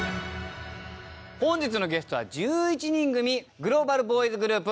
本日のゲストは１１人組グローバルボーイズグループ